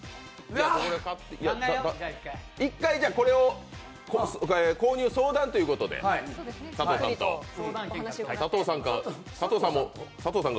１回これを購入相談ということで、佐藤さんと。